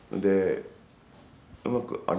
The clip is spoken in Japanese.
うまく、あれ？